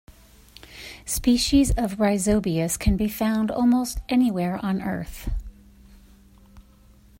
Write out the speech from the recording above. Species of "Rhyzobius" can be found almost anywhere on Earth.